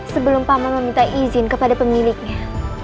sebelum paman meminta izin kepada pemiliknya